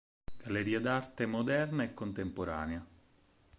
Galleria d'arte moderna e contemporanea